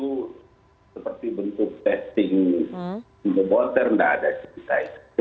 seperti bentuk testing the water tidak ada